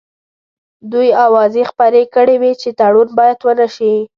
دوی اوازې خپرې کړې وې چې تړون باید ونه شي.